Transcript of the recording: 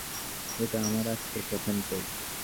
এটা আমার আজকের প্রথম পেগ।